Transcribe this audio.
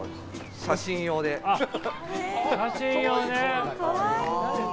写真用ね！